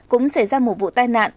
cũng xảy ra một vụ tai nạn